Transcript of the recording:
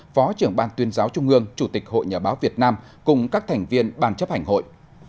phó trưởng ban tuyên giáo trung ương chủ tịch hội nhà báo việt nam cùng các thành viên ban chấp hành hội